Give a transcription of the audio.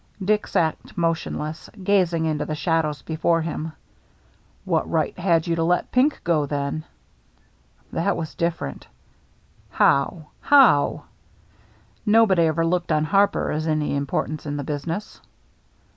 Dick sat motionless, gazing into the shadows before him. " What right had you to let Pink go, then ?"" That was different." "How? — How?" " Nobody ever looked on Harper as of any importance in the business."